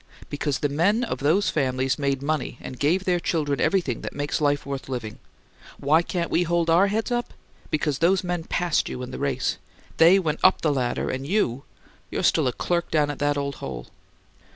Because the men of those families made money and gave their children everything that makes life worth living! Why can't we hold our heads up? Because those men passed you in the race. They went up the ladder, and you you're still a clerk down at that old hole!"